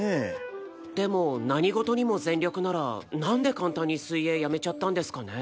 でも何事にも全力ならなんで簡単に水泳やめちゃったんですかね？